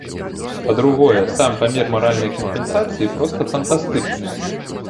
Па-другое, сам памер маральнай кампенсацыі проста фантастычны.